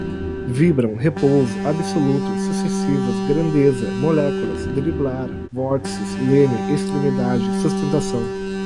vibram, repouso, absoluto, sucessivas, grandeza, moléculas, driblar, vórtices, leme, extremidade, sustentação